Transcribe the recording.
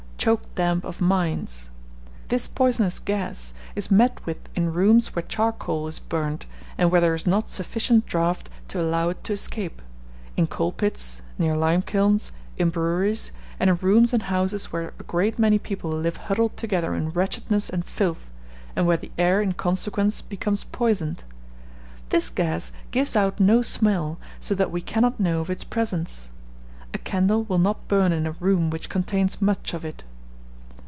Choke Damp of Mines_. This poisonous gas is met with in rooms where charcoal is burnt, and where there is not sufficient draught to allow it to escape; in coalpits, near limekilns, in breweries, and in rooms and houses where a great many people live huddled together in wretchedness and filth, and where the air in consequence becomes poisoned. This gas gives out no smell, so that we cannot know of its presence. A candle will not burn in a room which contains much of it.